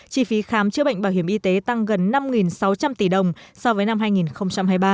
chi phí khám chữa bệnh bảo hiểm y tế tăng gần năm sáu trăm linh tỷ đồng so với năm hai nghìn hai mươi ba